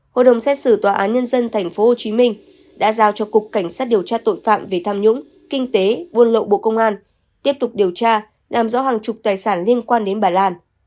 hội đồng xét xử tòa án nhân dân tp hcm đã giao cho cục cảnh sát điều tra tội phạm về tham nhũng kinh tế buôn lậu bộ công an tiếp tục điều tra làm rõ hàng chục tài sản liên quan đến bà lan